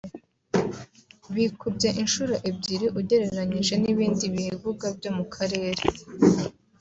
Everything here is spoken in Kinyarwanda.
bikubye inshuro ebyeri ugereranyije n’ibindi bibuga byo mu karere